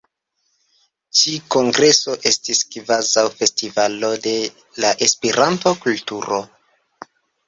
Ĉi kongreso estis kvazaŭ festivalo de la Esperanto-kulturo.